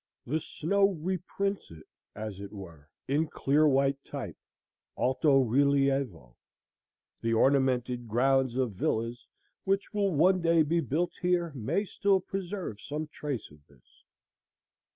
The snow reprints it, as it were, in clear white type alto relievo. The ornamented grounds of villas which will one day be built here may still preserve some trace of this.